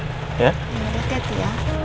oh ya teti ya